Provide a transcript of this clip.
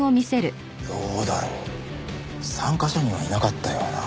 どうだろう参加者にはいなかったような。